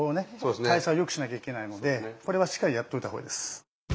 代謝をよくしなきゃいけないのでこれはしっかりやっといた方がいいです。